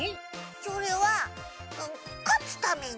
それはかつために！